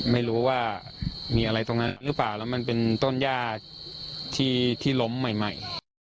ไม่รู้ว่ามีอะไรตรงนั้นหรือเปล่าแล้วมันเป็นต้นย่าที่ล้มใหม่